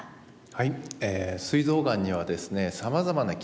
はい。